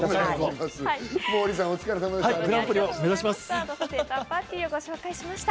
モーリーさん、お疲れさまでした。